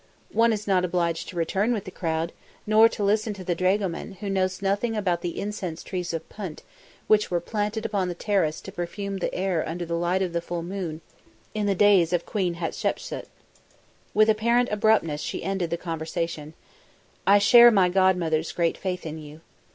"One is not obliged to return with the crowd, nor to listen to the dragoman, who knows nothing about the incense trees of Punt which were planted upon the terrace to perfume the air under the light of the full moon, in the days of Queen Hatshepu." With apparent abruptness she ended the conversation: "I share my godmother's great faith in you.